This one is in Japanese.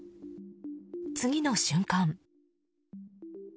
次の瞬間。